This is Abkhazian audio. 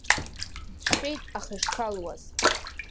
Дышәеит, аха ишԥалуаз.